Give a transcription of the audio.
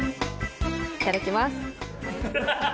いただきます！